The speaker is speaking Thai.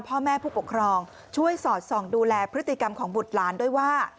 พ่อแม่ผู้ปกครองช่วยสอดส่องดูแลพฤติกรรมของบุตรหลานด้วยว่า